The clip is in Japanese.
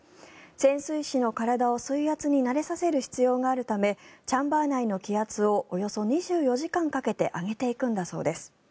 潜水士の体を水圧に慣れさせる必要があるためチャンバー内の気圧をおよそ２４時間かけて上げていくんだそうです。